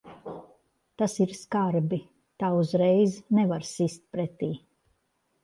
Tas ir skarbi. Tā uzreiz nevar sist pretī.